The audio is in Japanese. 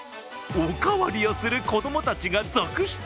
おかわりをする子供たちが続出。